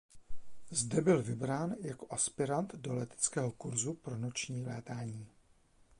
Zde byl vybrán jako aspirant do leteckého kurzu pro noční létání.